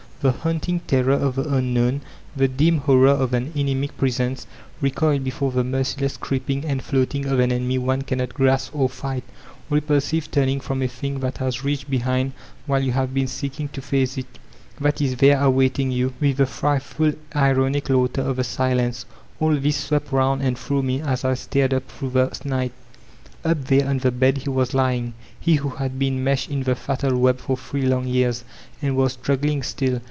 The haunting terror of the unknown, the dim horror of an inimic Presence, recoil before the merciless creeping and floating of an enemy one cannot grasp or fight, repoIsiTe turning from a Thing that has reached behind white you have been seeking to face it, that is there awaiting you with the frightful ironic laughter of the Silence — all this swept round and through me as I stared up through the night. Up there on the bed he was lying, he who had been meshed in the fatal web for three long year»— and was struggling still!